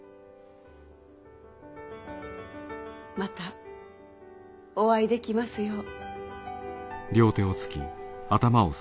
またお会いできますよう。